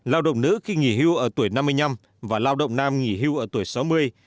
lao động nữ khi nghỉ hưu ở tuổi năm mươi năm và lao động nam nghỉ hưu ở tuổi sáu mươi